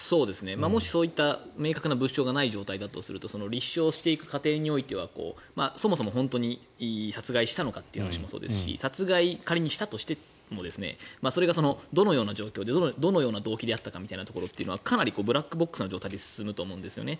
もし、そういった明確な物証がない状態だとすると立証していく過程においてはそもそも本当に殺害したのかというのもそうですし殺害を仮にしたとしてもそれがどのような状況でどのような動機であったかみたいなところはかなりブラックボックスな状態で進むと思うんですね。